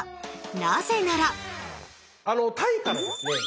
なぜならタイからですね